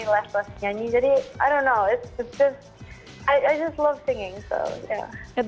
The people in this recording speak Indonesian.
les les nyanyi jadi i don't know it's just i just love singing so yeah